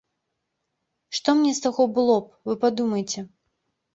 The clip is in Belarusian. Што мне з таго было б, вы падумайце.